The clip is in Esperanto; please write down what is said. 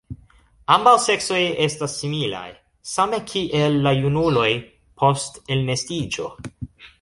Ambaŭ seksoj estas similaj, same kiel la junuloj post elnestiĝo.